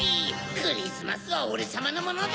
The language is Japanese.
クリスマスはオレさまのものだ！